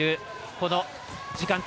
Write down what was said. この時間帯。